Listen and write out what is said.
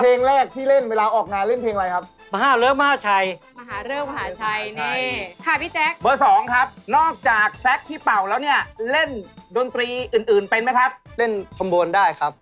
เพลงแรกที่เล่นเวลาออกงานเล่นเพลงอะไรครับ